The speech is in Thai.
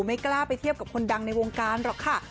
ไม่กล้าไปเทียบกับคนดังในวงการหรอกค่ะ